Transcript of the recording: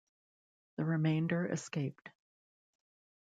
The remainder escaped.